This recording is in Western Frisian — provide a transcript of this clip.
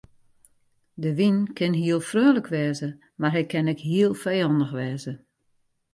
De wyn kin heel freonlik wêze mar hy kin ek heel fijannich wêze.